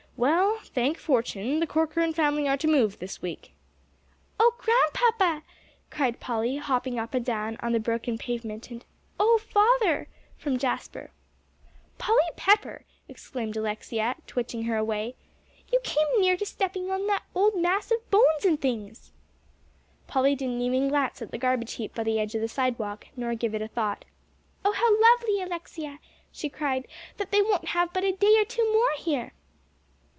"Well, thank fortune, the Corcoran family are to move this week." "Oh, Grandpapa," cried Polly, hopping up and down on the broken pavement, and "Oh, father!" from Jasper. "Polly Pepper," exclaimed Alexia, twitching her away, "you came near stepping into that old mess of bones and things." Polly didn't even glance at the garbage heap by the edge of the sidewalk, nor give it a thought. "Oh, how lovely, Alexia," she cried, "that they won't have but a day or two more here!"